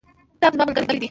کتاب زما ملګری دی.